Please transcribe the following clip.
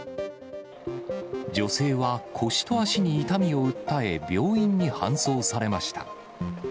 女性は腰と足に痛みを訴え、病院に搬送されました。